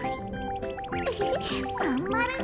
フフフまんまる。